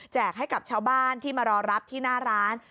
ให้กับชาวบ้านที่มารอรับที่หน้าร้าน